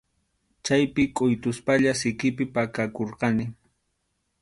Chaypi kʼuytuspalla sikipi pakakurqani.